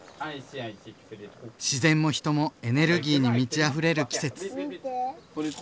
自然も人もエネルギーに満ちあふれる季節。